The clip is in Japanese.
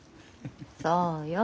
そうよ。